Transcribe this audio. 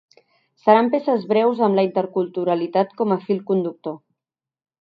Seran peces breus amb la interculturalitat com a fil conductor.